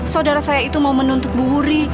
saudara saya itu mau menuntut bu wuri